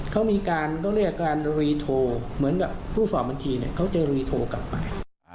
เขามีการต้องเรียกการรีโทรเหมือนกับผู้สอบบัญชีเนี่ยเขาจะรีโทรกลับไป